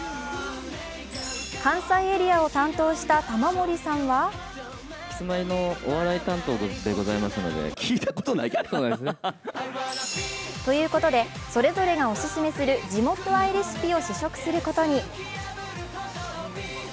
関西エリアを担当した玉森さんはということで、それぞれがお勧めする地元愛レシピを試食することに。